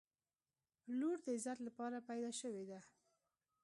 • لور د عزت لپاره پیدا شوې ده.